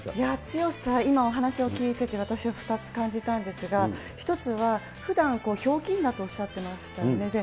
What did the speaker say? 強さ、今お話を聞いてて、私は２つ感じたんですが、１つはふだん、ひょうきんだとおっしゃってましたよね。